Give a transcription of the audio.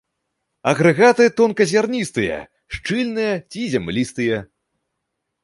Агрэгаты тонказярністыя, шчыльныя ці зямлістыя.